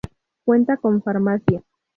Cuenta con farmacia.